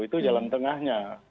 itu jalan tengahnya